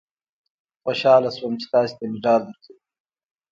خوشاله شوم چې تاسې ته مډال درکوي.